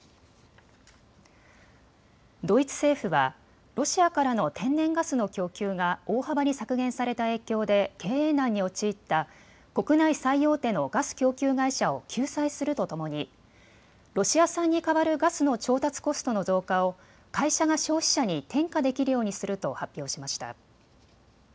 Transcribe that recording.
ドイツ政府はロシアからの天然ガスの供給が大幅に削減された影響で経営難に陥った国内最大手のガス供給会社を救済するとともにロシア産に代わるガスの調達コストの増加を会社が消費者に転嫁できるようにすると発表しました。